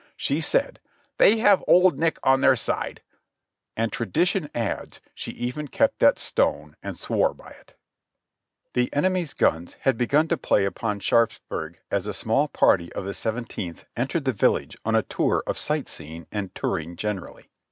She said, "They have Old Nick on their side." and tra dition adds, she even kept that stone and swore by it. The enemy's guns had begun to play upon Sharpsburg as a small party of the Seventeenth entered the village on a tour of sight seeing and touring generally.